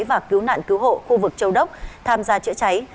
và cứu nạn cứu hộ khu vực châu đốc tham gia chữa cháy